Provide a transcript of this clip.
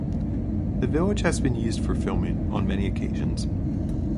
The village has been used for filming on many occasions.